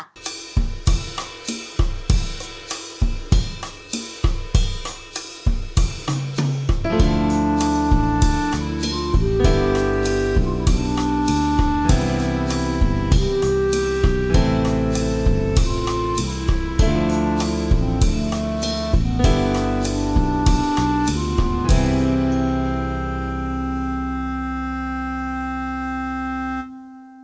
โปรดติดตามตอนต่อไป